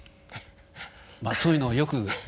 まあそういうのをよく。